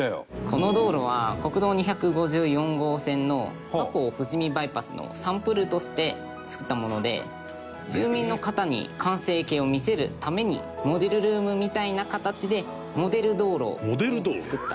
この道路は国道２５４号線の和光富士見バイパスのサンプルとして造ったもので住民の方に完成形を見せるためにモデルルームみたいな形でモデル道路を造った。